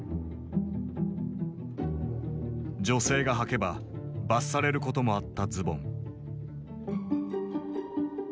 女性がはけば罰されることもあったズボン。